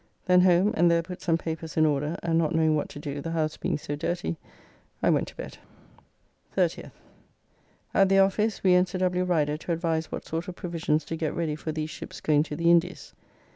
Then home and there put some papers in order, and not knowing what to do, the house being so dirty, I went to bed. 30th. At the office we and Sir W. Rider to advise what sort of provisions to get ready for these ships going to the Indies.